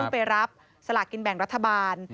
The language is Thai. ไปรับสลากกินแบ่งรัฐบาล